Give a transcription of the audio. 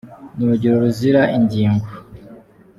Ni urugege ruzira ingingo